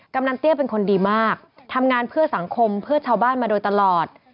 ันเตี้ยเป็นคนดีมากทำงานเพื่อสังคมเพื่อชาวบ้านมาโดยตลอด